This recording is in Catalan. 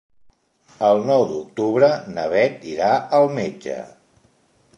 El nou d'octubre na Bet irà al metge.